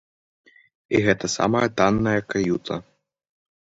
І гэта самая танная каюта!